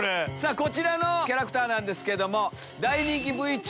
こちらのキャラクターなんですけど。